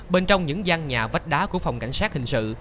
bên trong những gian nhà vách đá của phòng cảnh sát hình sự